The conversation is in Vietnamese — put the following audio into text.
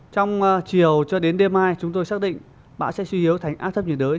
trong chiều cho đến đêm mai chúng tôi xác định bão sẽ suy yếu thành áp thấp nhiệt đới